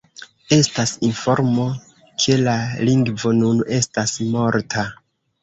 Estas informo ke la lingvo nun estas morta.